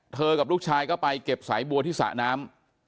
กับลูกชายก็ไปเก็บสายบัวที่สระน้ำ